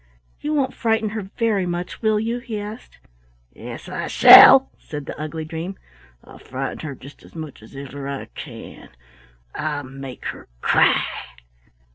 "You won't frighten her very much, will you?" he asked. "Yes, I shall!" said the ugly dream. "I'll frighten her just as much as ever I can; I'll make her cry."